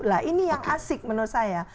nah ini yang asik menurut saya